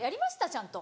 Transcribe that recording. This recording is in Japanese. ちゃんと。